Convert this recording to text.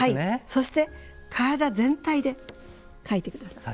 そして体全体で描いて下さい。